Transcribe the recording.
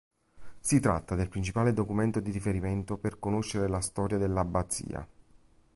Si tratta del principale documento di riferimento per conoscere la storia dell'abbazia.